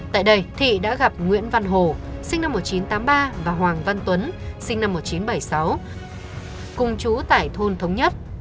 tại đây thị đã gặp nguyễn văn hồ sinh năm một nghìn chín trăm tám mươi ba và hoàng văn tuấn sinh năm một nghìn chín trăm bảy mươi sáu cùng chú tại thôn thống nhất